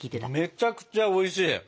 めっちゃくちゃおいしい。